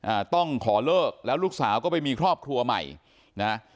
อ่าต้องขอเลิกแล้วลูกสาวก็ไปมีครอบครัวใหม่นะ